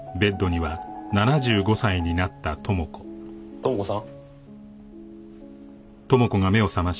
朋子さん？